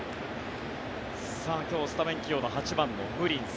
今日、スタメン起用の８番、ムリンス。